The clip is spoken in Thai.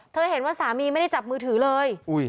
เห็นว่าสามีไม่ได้จับมือถือเลย